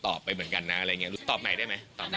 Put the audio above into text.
สตอบไหนได้ไหม